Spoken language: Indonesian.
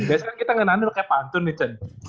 biasanya kita nganur kayak pantun nih cen